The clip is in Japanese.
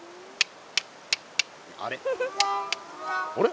あれ？